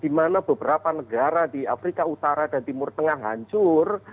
di mana beberapa negara di afrika utara dan timur tengah hancur